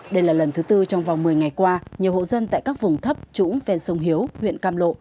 đây là lần thứ tư trong vòng một mươi ngày qua nhiều hộ dân tại các vùng thấp trũng ven sông hiếu huyện cam lộ